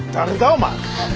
お前。